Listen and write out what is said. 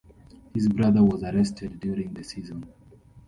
His brother was arrested during the season.